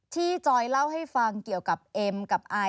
จอยเล่าให้ฟังเกี่ยวกับเอ็มกับอาย